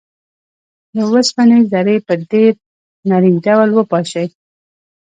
د اوسپنې ذرې په ډیر نري ډول وپاشئ.